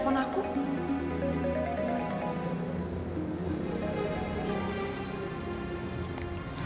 apa lagi sih syahnaz telpon aku